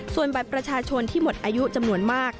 ส่วนบัตรประชาชนที่หมดอายุจำนวนมาก